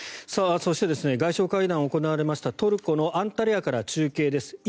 そして外相会談が行われましたトルコのアンタルヤから中継です。